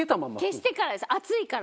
消してからです熱いから。